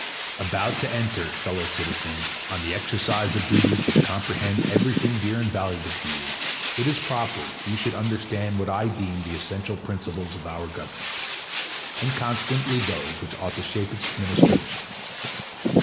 3 About to enter, fellow citizens, on the exercise of duties which comprehend everything dear and valuable to you, it is proper you should understand what I deem the essential principles of our Government, and consequently those which ought to shape its Administration.